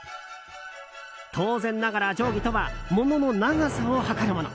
当然ながら、定規とは物の長さを測るもの。